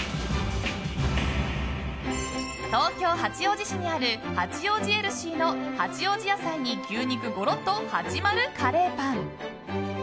東京・八王子市にある八王子エルシィの八王子野菜に牛肉ゴロっとはちまるカレーパン。